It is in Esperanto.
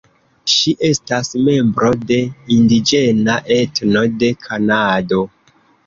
Ŝi estas membro de indiĝena etno de Kanado.